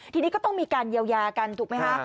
ทีนี้ก็ต้องมีการเยียวยากันถูกไหมคะ